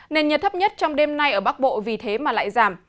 nền nhiệt thấp nhất trong đêm nay ở bắc bộ vì thế mà lại giảm